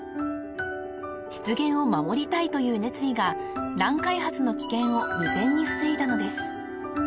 ［湿原を守りたいという熱意が乱開発の危険を未然に防いだのです］